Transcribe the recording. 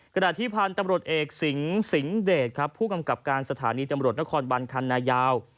ขณะที่พันธุ์ตำรวจเอกสิงสิงห์เดชครับผู้กำกับการสถานีตำรวจนครบันคันนายาว